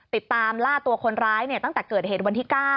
ติดตามล่าตัวคนร้ายตั้งแต่เกิดเหตุวันที่๙